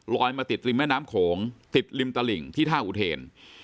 มาติดริมแม่น้ำโขงติดริมตลิ่งที่ท่าอุเทน